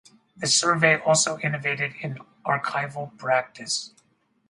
The Survey also innovated in archival practice.